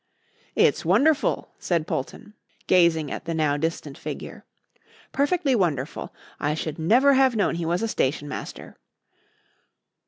"It's wonderful," said Polton, gazing at the now distant figure; "perfectly wonderful. I should never have known he was a stationmaster."